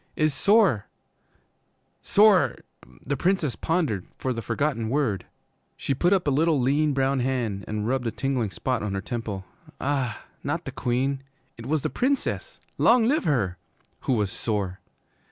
is sore sore "' The Princess pondered for the forgotten word. She put up a little lean brown hand and rubbed a tingling spot on her temple ah, not the Queen! It was the Princess long live her! who was 'sore.'